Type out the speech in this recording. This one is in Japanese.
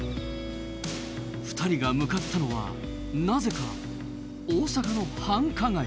２人が向かったのはなぜか大阪の繁華街。